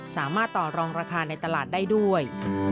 สามารถต่อรองราคาในตลาดได้ด้วย